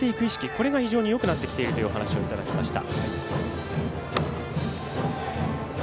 これが非常によくなってきているというお話をいただきました。